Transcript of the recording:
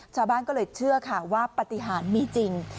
ชาวบ้านก็เลยเชื่อค่ะว่าปฏิหารมีจริง